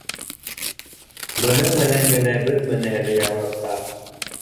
Бының менән генә бөтмәне әле яңылыҡтар.